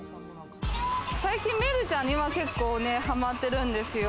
最近、メルちゃんにも結構はまってるんですよ。